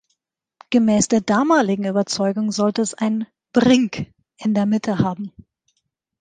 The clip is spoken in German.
Gemäß der damaligen Überzeugung sollte es einen “brink” in der Mitte haben.